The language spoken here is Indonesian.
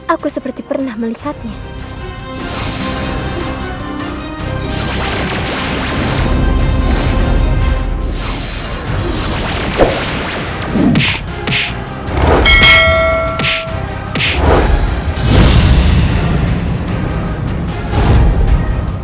aku tidak akan mengalah karena dirimu